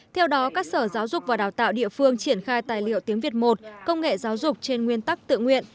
theo đó các sở giáo dục và đào tạo địa phương triển khai tài liệu tiếng việt một công nghệ giáo dục trên nguyên tắc tự nguyện